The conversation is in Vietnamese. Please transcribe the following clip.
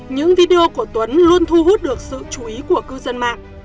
những video của tuấn luôn thu hút được sự chú ý của cư dân mạng